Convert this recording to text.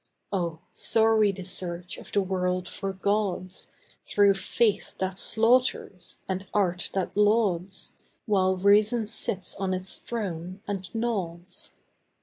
Oh, sorry the search of the world for gods, Through faith that slaughters and art that lauds, While reason sits on its throne and nods.